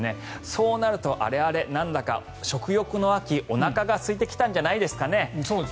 そうなるとあれあれ、なんだか食欲の秋おなかがすいてきたんじゃないですかね。